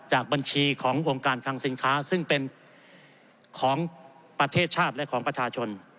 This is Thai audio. จากบัญชีขององค์การคังสินค้าซึ่งเป็นของประเทศชาติและของประชาชน